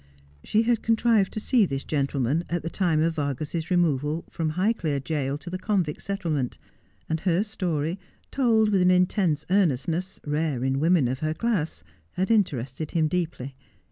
She had contrived to see this gentleman at the time of Vargas's removal from Highclere jail to the convict settlement, and her story, told with an intense earnestness, rare in women of her class, had interested him deeply.